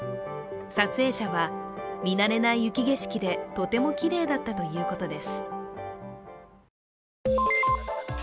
撮影者は、見慣れない雪景色でとてもきれいだったということです。